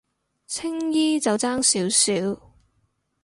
青衣就爭少少